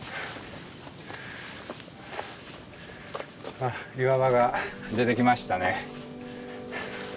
あっ岩場が出てきましたね。